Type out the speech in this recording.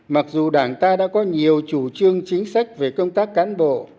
mặc dù đảng ta đã có nhiều chủ trương chính sách về công tác cán bộ